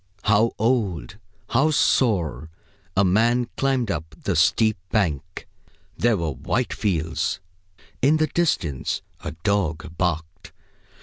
How old, how sore a man climbed up the steep bank! There were white fields. In the distance a dog barked.